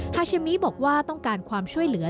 ฮาเชมิบอกว่าต้องการความช่วยเหลือ